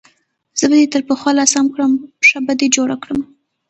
زه به دې تر پخوا لا سم کړم، پښه به دې جوړه کړم.